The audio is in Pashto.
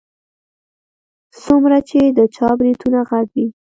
څومره چې د چا برېتونه غټ وي.